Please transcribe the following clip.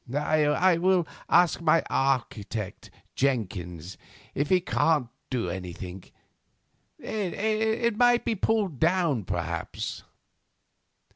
I will ask my architect, Jenkins, if he can't do anything; it might be pulled down, perhaps."